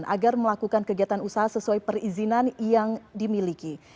agar melakukan kegiatan usaha sesuai perizinan yang dimiliki